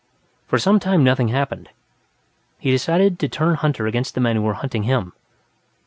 For some time nothing happened; he decided to turn hunter against the men who were hunting him.